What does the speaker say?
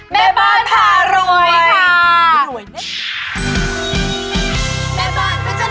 แม่บ้านพาร้วยค่ะ